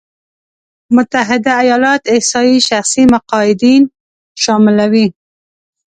متحده ایالات احصایې شخصي مقاعدين شاملوي.